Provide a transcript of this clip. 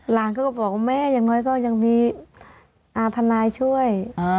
หลานเขาก็บอกว่าแม่อย่างน้อยก็ยังมีทนายช่วย